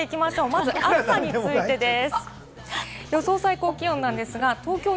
まず暑さについてです。